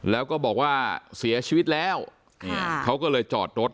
แล้วก็บอกว่าเสียชีวิตแล้วเขาก็เลยจอดรถ